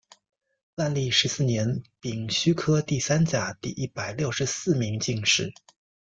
万历十四年丙戌科第三甲第一百六十四名进士。